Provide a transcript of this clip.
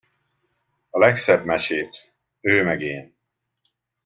A legszebb mesét: ő meg én...